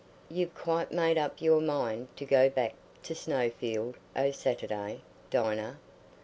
"You've quite made up your mind to go back to Snowfield o' Saturday, Dinah?"